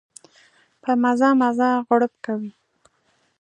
په مزه مزه غړپ کوي.